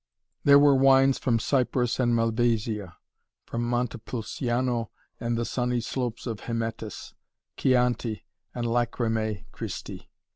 There were wines from Cyprus and Malvasia, from Montepulciano and the sunny slopes of Hymettus, Chianti and Lacrymae Christi.